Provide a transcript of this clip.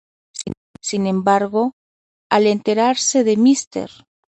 Sin embargo, al enterarse de Mr.